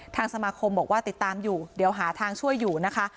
ทางสมาคมบอกว่าติดตามอยู่เดี๋ยวหาทางช่วยอยู่นะคะ